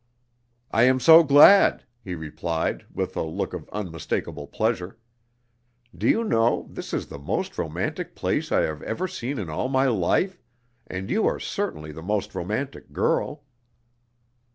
"I am so glad," he replied, with a look of unmistakable pleasure. "Do you know, this is the most romantic place I have ever seen in all my life, and you are certainly the most romantic girl."